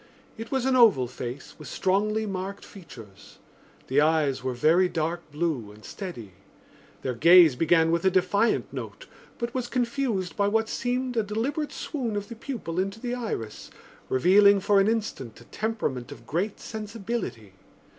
It was an oval face with strongly marked features. The eyes were very dark blue and steady. Their gaze began with a defiant note but was confused by what seemed a deliberate swoon of the pupil into the iris, revealing for an instant a temperament of great sensibility.